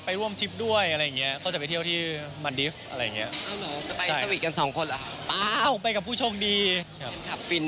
ร่วมทริปด้วยอะไรอย่างเงี้ยก็จะไปเที่ยวที่มันดิฟต์อะไรอย่างนี้